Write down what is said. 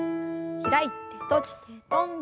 開いて閉じて跳んで。